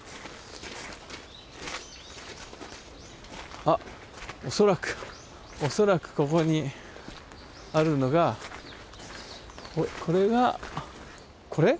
あっ恐らく恐らくここにあるのがこれがこれ？